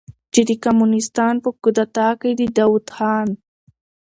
چې د کمونستانو په کودتا کې د داؤد خان